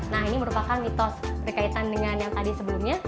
nah ini merupakan mitos berkaitan dengan yang tadi sebelumnya